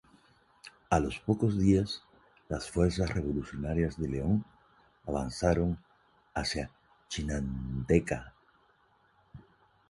A los pocos días, las fuerzas revolucionarias de León avanzaron hacia Chinandega.